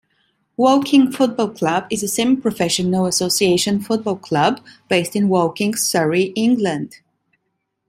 Woking Football Club is a semi-professional association football club based in Woking, Surrey, England.